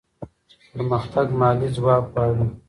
پرمختګ مالي ځواک غواړي.